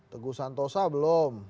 teguh santosa belum